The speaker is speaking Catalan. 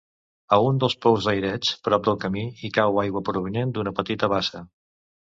A un dels pous d'aireig prop del camí hi cau aigua provinent d'una petita bassa.